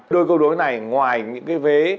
đôi câu đối này ngoài những cái vế